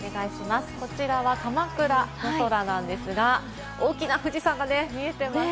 こちらは鎌倉の空なんですが、大きな富士山が見えていますね。